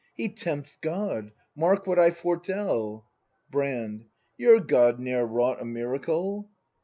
He tempts God! Mark what I foretell! Brand. Your God ne'er wrought a miracle